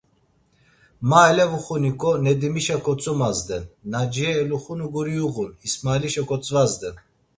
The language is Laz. Ma elevuxuniǩo Nedimişa kotzomazden; Naciye eluxunu guri uğun, İsmailişa kotzvazden.